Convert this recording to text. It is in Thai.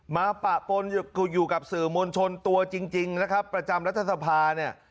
ปะปนอยู่กับสื่อมวลชนตัวจริงนะครับประจำรัฐสภาเนี่ย